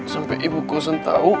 sampai ibu kosan tahu